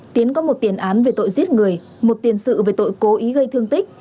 tiến có một tiền án về tội giết người một tiền sự về tội cố ý gây thương tích